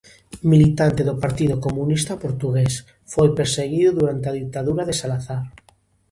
Militante do Partido Comunista portugués, foi perseguido durante a ditadura de Salazar.